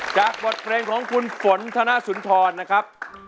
จากบทเพลงของคุณฝนธนสุนทรนะครับ